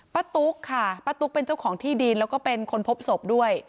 ตุ๊กค่ะป้าตุ๊กเป็นเจ้าของที่ดินแล้วก็เป็นคนพบศพด้วย